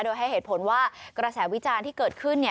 โดยให้เหตุผลว่ากระแสวิจารณ์ที่เกิดขึ้น